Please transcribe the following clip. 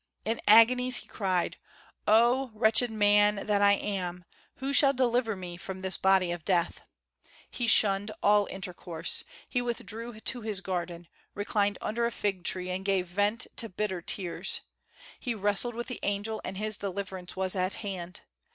In agonies he cried, "Oh, wretched man that I am! Who shall deliver me from this body of death?" He shunned all intercourse. He withdrew to his garden, reclined under a fig tree, and gave vent to bitter tears. He wrestled with the angel, and his deliverance was at hand.